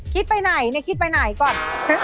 คิดไปไหนคิดไปไหนก่อน